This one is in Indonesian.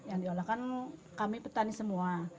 yang diolah kan kami petani semua